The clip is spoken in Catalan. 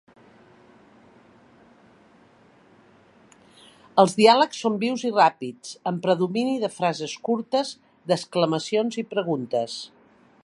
Els diàlegs són vius i ràpids, amb predomini de frases curtes, d'exclamacions i preguntes.